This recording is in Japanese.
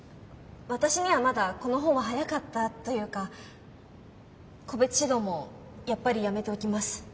私にはまだこの本は早かったというか個別指導もやっぱりやめておきます。